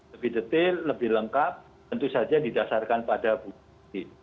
lebih detail lebih lengkap tentu saja didasarkan pada bukti